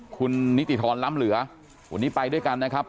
คุณนิติธรรมล้ำเหลือวันนี้ไปด้วยกันนะครับ